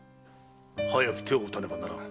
早く手を打たねばならん。